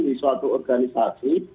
di suatu organisasi